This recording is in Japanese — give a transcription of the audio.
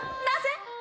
なぜ？